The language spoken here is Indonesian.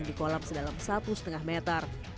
di kolam sedalam satu lima meter